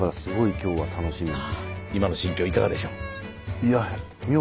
今の心境いかがでしょう？